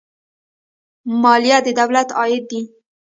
مالیه د دولت عاید دی